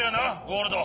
ゴールド。